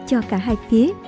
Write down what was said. cho cả hai phía